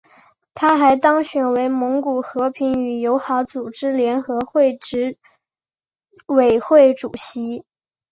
他还当选为蒙古和平与友好组织联合会执委会主席。